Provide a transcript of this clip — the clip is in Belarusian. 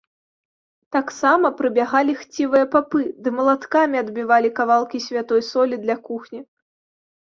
Таксама прыбягалі хцівыя папы ды малаткамі адбівалі кавалкі святой солі для кухні.